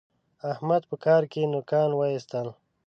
احمد په کار کې نوکان واېستل.